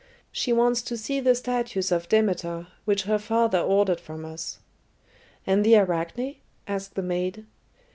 She wants to see the statues of Demeter which her father ordered from us." "And the Arachne?" asked the maid.